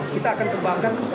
kita akan kembangkan ke semua